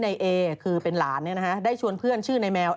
ในเอคือเป็นหลานได้ชวนเพื่อนชื่อในแมว